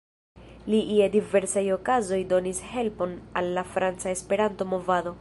Li je diversaj okazoj donis helpon al la franca Esperanto-movado.